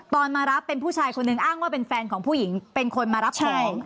มารับเป็นผู้ชายคนหนึ่งอ้างว่าเป็นแฟนของผู้หญิงเป็นคนมารับของ